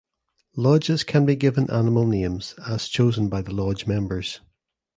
Lodges can be given animal names as chosen by the Lodge members.